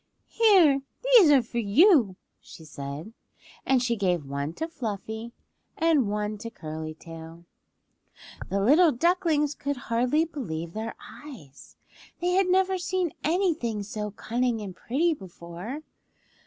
"Here; these are for you," she said, and she gave one to Fluffy and one to Curly Tail. The little ducklings could hardly believe their eyes. They had never seen anything so cunning and pretty before.